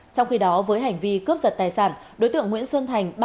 trong khi đó với hành vi cướp giật tài sản đối tượng nguyễn xuân thành